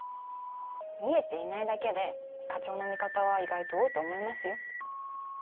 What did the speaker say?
見えていないだけで課長の味方は意外と多いと思いますよ。